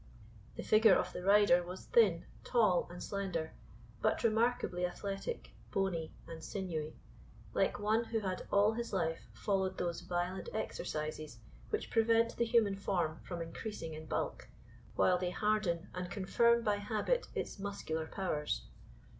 The figure of the rider was thin, tall, and slender, but remarkably athletic, bony, and sinewy; like one who had all his life followed those violent exercises which prevent the human form from increasing in bulk, while they harden and confirm by habit its muscular powers.